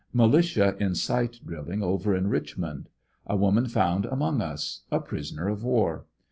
Militia in si ht drilling over in Richmond. A woman found amon^ us — a prisoner of war.